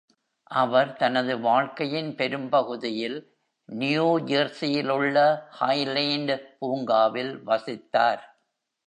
அவர் தனது வாழ்க்கையின் பெரும்பகுதியில், நியூ ஜெர்சியிலுள்ள ஹைலேண்ட் பூங்காவில் வசித்தார்.